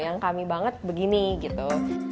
yang kami banget begini gitu